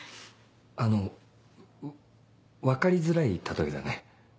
あの分かりづらい例えだね。